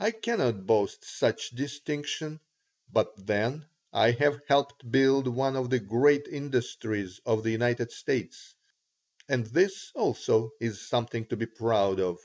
I cannot boast such distinction, but then I have helped build up one of the great industries of the United States, and this also is something to be proud of.